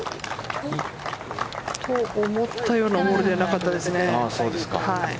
思ったようなボールではなかったですね。